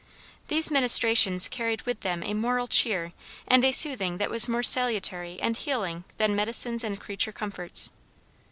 These ministrations carried with, them a moral cheer and a soothing that was more salutary and healing than medicines and creature comforts.